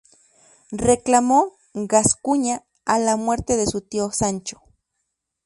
Reclamó Gascuña a la muerte de su tío Sancho.